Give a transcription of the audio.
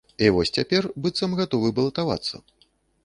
І вось цяпер, быццам, гатовы балатавацца.